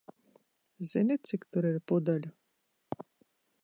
Zini, cik tur ir pudeļu?